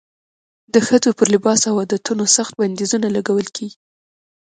د ښځو پر لباس او عادتونو سخت بندیزونه لګول کېږي.